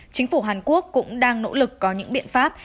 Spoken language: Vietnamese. chính phủ hàn quốc cũng đang nỗ lực có những biện pháp